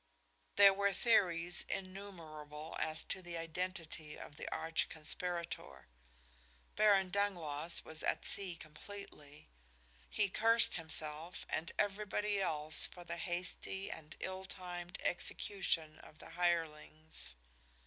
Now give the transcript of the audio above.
There were theories innumerable as to the identity of the arch conspirator. Baron Dangloss was at sea completely. He cursed himself and everybody else for the hasty and ill timed execution of the hirelings.